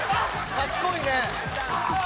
賢いね。